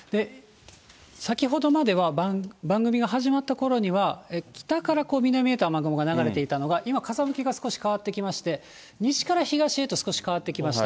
先ほどまでは、番組が始まったころには、北から南へと雨雲が流れていたのが、今、風向きが少し変わってきまして、西から東へと少し変わってきました。